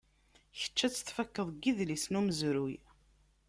Kečč ad tt-tfakkeḍ deg idlisen umezruy.